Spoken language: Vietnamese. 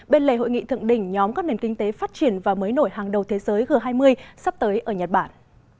bên lề hội nghị thượng đỉnh nhóm các nền kinh tế phát triển và mới nổi hàng đầu thế giới g hai mươi sắp tới ở nhật bản